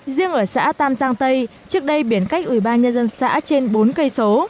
riêng ở xã tam giang tây trước đây biển cách ủy ban nhân dân xã trên bốn cây số